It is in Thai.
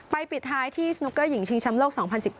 ปิดท้ายที่สนุกเกอร์หญิงชิงแชมป์โลก๒๐๑๙